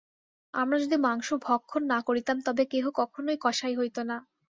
আমরা যদি মাংস ভক্ষণ না করিতাম, তবে কেহ কখনই কসাই হইত না।